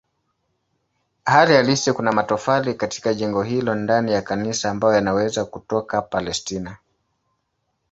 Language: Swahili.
Hali halisi kuna matofali katika jengo hilo ndani ya kanisa ambayo yanaweza kutoka Palestina.